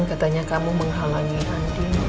katanya kamu menghalangi andin